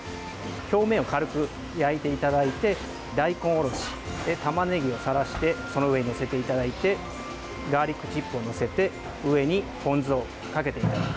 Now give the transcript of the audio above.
表面を軽く焼いていただいて大根おろし、たまねぎをさらしてその上に載せていただいてガーリックチップを載せて上にポン酢をかけていただく。